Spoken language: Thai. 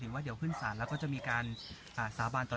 ถึงว่าเดี๋ยวขึ้นสันแล้วก็จะมีการอ่าสาบาณตอน